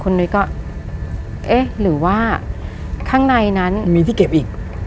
คุณนุ้ยก็เอ๊ะหรือว่าข้างในนั้นมีที่เก็บอีก